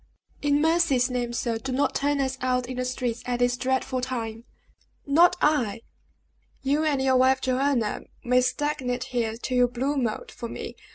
In mercy's name, sir, do not turn us out in the streets at this dreadful time!" "Not I! You and your wife Joanna may stagnate here till you blue mold, for me.